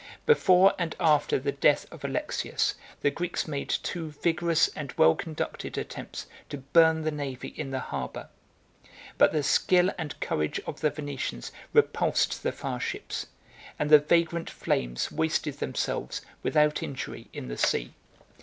Before and after the death of Alexius, the Greeks made two vigorous and well conducted attempts to burn the navy in the harbor; but the skill and courage of the Venetians repulsed the fire ships; and the vagrant flames wasted themselves without injury in the sea.